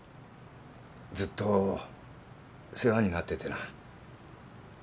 ずっと世話になっててな。